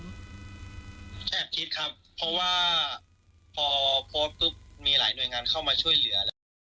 พี่แอบคิดครับเพราะว่าพอเพิ่มมาให้ช่วยเข้ามาช่วยเหลือ